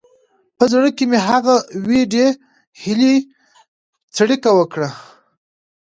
په زړه کې مې هغه وېډې هیلې څړیکه وکړه.